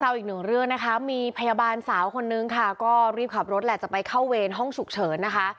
อีกหนึ่งเรื่องนะคะมีพยาบาลสาวคนนึงค่ะก็รีบขับรถแหละจะไปเข้าเวรห้องฉุกเฉินนะคะ